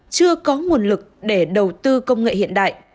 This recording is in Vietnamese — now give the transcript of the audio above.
chưa có nguồn lực để đầu tư công nghệ hiện đại